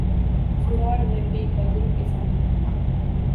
ފުރާޅުލެއްވީ ކަދުރުގެ ފަނުން